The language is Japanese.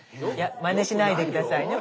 まねしないで下さいね